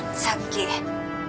さっき。